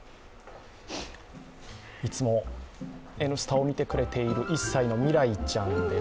いつも「Ｎスタ」を見てくれている１歳のみらいちゃんです。